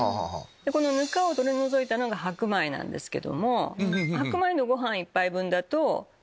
このぬかを取り除いたのが白米なんですけども。